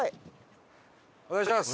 お願いします！